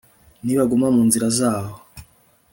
ntibaguma mu nzira zawo